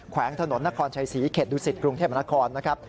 วงถนนนครชัยศรีเขตดุสิตกรุงเทพนครนะครับ